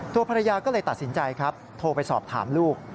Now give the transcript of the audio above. ตัวภรรยาก็เลยตัดสินใจครับโทรไปสอบถามลูก